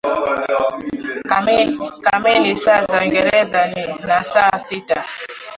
kamili saa za Uingereza na saa sita